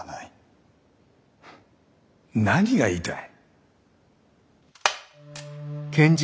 何が言いたい？